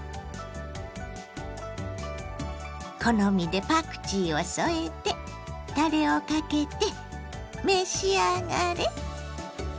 好みでパクチーを添えてたれをかけて召し上がれ！